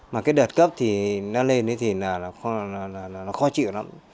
mà cái đợt cấp thì nó lên thì nó khó chịu lắm